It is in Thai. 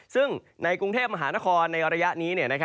ซึ่งในกรุงเทพมหานครในระยะนี้